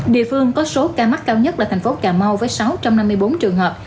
địa phương có số ca mắc cao nhất là thành phố cà mau với sáu trăm năm mươi bốn trường hợp